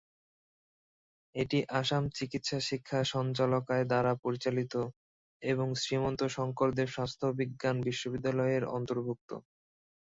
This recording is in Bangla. এটি আসাম চিকিৎসা শিক্ষা সঞ্চালকালয় দ্বারা পরিচালিত এবং শ্রীমন্ত শংকরদেব স্বাস্থ্য বিজ্ঞান বিশ্ববিদ্যালয়-এর অন্তর্ভুক্ত।